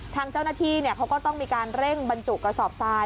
ทางเจ้าหน้าที่เขาก็ต้องมีการเร่งบรรจุกระสอบทราย